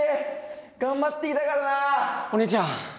お兄ちゃん！